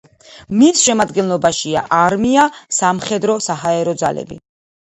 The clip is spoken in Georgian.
მის შემადგენლობაშია: არმია, სამხედრო-საჰაერო ძალები.